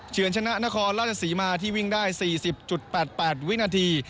เฉินชนะนครราชศรีมาที่วิ่งได้๔๐๘๘วินาที